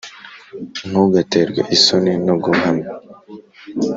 ntugaterwe isoni no guhamya